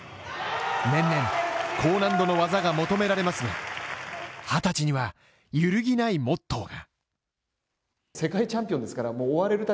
年々、高難度の技が求められますが２０歳には揺るぎないモットーが。